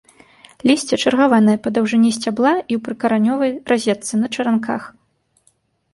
Лісце чаргаванае па даўжыні сцябла і ў прыкаранёвай разетцы, на чаранках.